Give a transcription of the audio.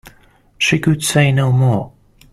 She could say no more.